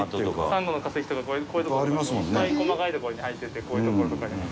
サンゴの化石とか、こういうところとか、いっぱい細かいところに入っていて、こういうところとかにも。